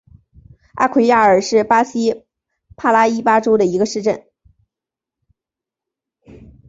阿圭亚尔是巴西帕拉伊巴州的一个市镇。